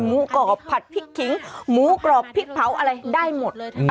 กรอบผัดพริกขิงหมูกรอบพริกเผาอะไรได้หมด